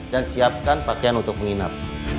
siapkan pakaian untuk menginap